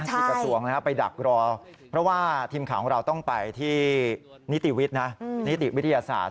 กระทรวงไปดักรอเพราะว่าทีมข่าวของเราต้องไปที่นิติวิทยาศาสตร์